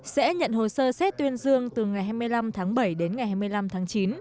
sẽ nhận hồ sơ xét tuyên dương từ ngày hai mươi năm tháng bảy đến ngày hai mươi năm tháng chín